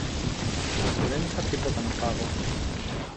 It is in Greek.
Και δεν είχα τίποτα να φάγω